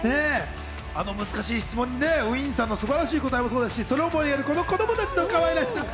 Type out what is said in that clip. あの難しい質問にウィンさんの素晴らしい答えもそうですし、思いやる子供たちのかわいらしさ。